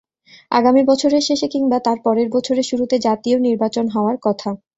আগামী বছরের শেষে কিংবা তার পরের বছরের শুরুতে জাতীয় নির্বাচন হওয়ার কথা।